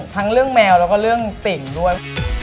ทั้งเรื่องแมวแล้วก็เรื่องติ่งด้วย